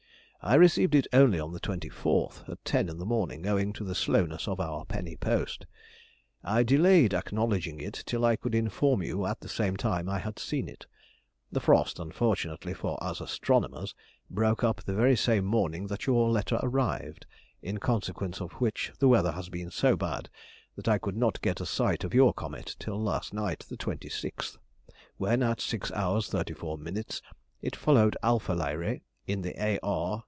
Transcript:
I received it only on the 24th, at ten in the morning, owing to the slowness of our penny post. I delayed acknowledging it till I could inform you at the same time I had seen it. The frost, unfortunately for us astronomers, broke up the very same morning that your letter arrived, in consequence of which the weather has been so bad that I could not get a sight of your comet till last night, the 26th, when, at 6^h 34ʹ, it followed α Lyræ in the A. R.